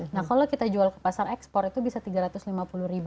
nah kalau kita jual ke pasar ekspor itu bisa rp tiga ratus lima puluh ribu